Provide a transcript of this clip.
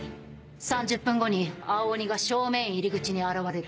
３０分後に青鬼が正面入り口に現れる。